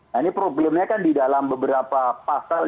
nah ini problemnya kan di dalam beberapa pasal